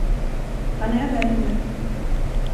Han är där inne.